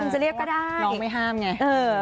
เพราะว่าน้องไม่ห้ามไง